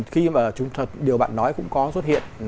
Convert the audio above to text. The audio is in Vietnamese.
khi mà điều bạn nói cũng có xuất hiện